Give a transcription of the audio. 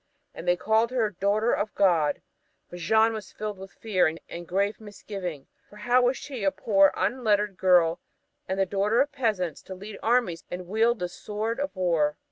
And they called her "Daughter of God." But Jeanne was filled with fear and grave misgiving, for how was she, a poor, unlettered girl and the daughter of peasants, to lead armies and wield the sword of war?